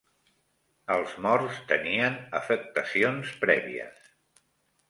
Els morts tenien afectacions prèvies